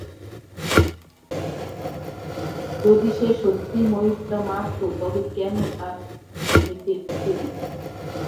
যদি সে সত্যি ময়ূরটা মারত, তবে কেন তার ক্ষেতে পুঁতে দিত?